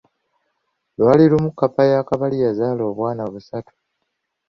Lwali lumu kkapa ya Kabali yazaala obwana busatu.